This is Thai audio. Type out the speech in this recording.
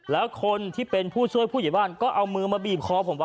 แล้วคนที่เป็นผู้ช่วยผู้ใหญ่บ้านก็เอามือมาบีบคอผมว่า